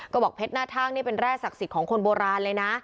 ก็บอกเพชรหน้าทางนี่เป็นแร่ศักดิ์สิทธิ์ของคนโบราณเลยนะ